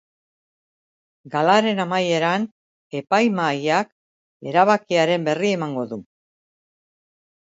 Galaren amaieran, epaimahaiak erabakiaren berri emango du.